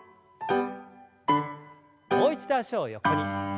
もう一度脚を横に。